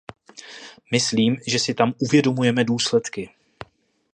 Myslím, že si tam uvědomujeme důsledky.